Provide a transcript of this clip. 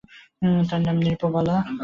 তাঁর নাম নৃপবালা।